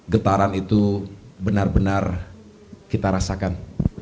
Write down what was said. getaran itu benar benar kita rasakan